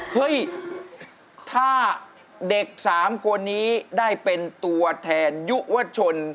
เฮ้ยถ้าเด็ก๓คนนี้ได้เป็นตัวแทนยุวชน